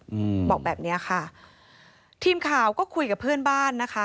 อืมบอกแบบเนี้ยค่ะทีมข่าวก็คุยกับเพื่อนบ้านนะคะ